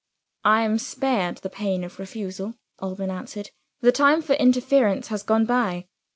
"I am spared the pain of refusal," Alban answered. "The time for interference has gone by.